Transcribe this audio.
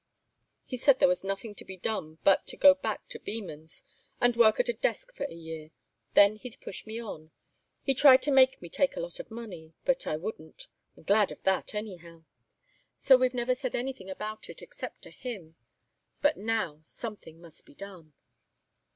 He said there was nothing to be done but to go back to Beman's and work at a desk for a year. Then he'd push me on. He tried to make me take a lot of money, but I wouldn't. I'm glad of that, anyhow. So we've never said anything about it, except to him. But now something must be done."